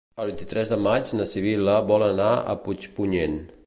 El vint-i-tres de maig na Sibil·la vol anar a Puigpunyent.